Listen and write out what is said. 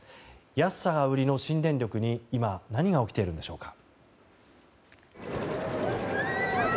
安さが売りの新電力に今何が起きているのでしょうか。